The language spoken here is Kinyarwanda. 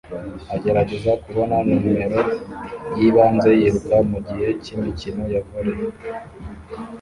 agerageza kubona numero yibanze yiruka mugihe cyimikino ya volley